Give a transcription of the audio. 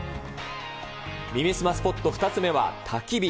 耳すまスポット２つ目はたき火。